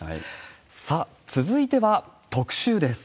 さあ、続いては特集です。